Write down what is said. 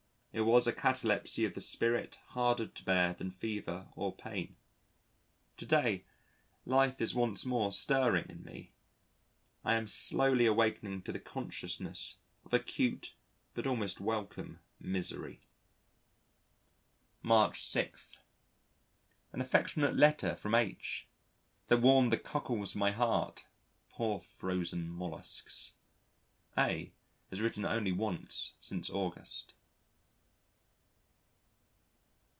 It was a catalepsy of the spirit harder to bear than fever or pain.... To day, life is once more stirring in me, I am slowly awaking to the consciousness of acute but almost welcome misery. March 6. An affectionate letter from H that warmed the cockles of my heart poor frozen molluscs. A has written only once since August.